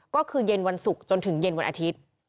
ก็คือเย็นวันศุกร์จนถึงเย็นวันอาทิตย์